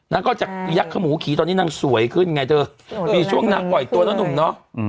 ก็จะยักษมูขี่ตอนนี้นางสวยขึ้นไงเธอมีช่วงนางปล่อยตัวแล้วหนุ่มเนาะ